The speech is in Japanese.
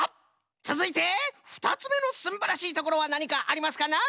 つづいてふたつめのすんばらしいところはなにかありますかな？